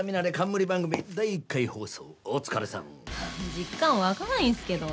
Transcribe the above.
実感湧かないんすけど。